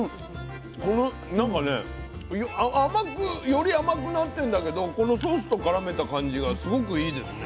なんかねより甘くなってんだけどこのソースとからめた感じがすごくいいですね。